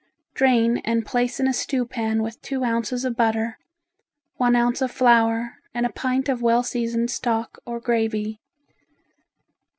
Drain and place in a stew pan with two ounces of butter, one ounce of flour and a pint of well seasoned stock or gravy.